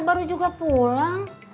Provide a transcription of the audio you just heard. baru juga pulang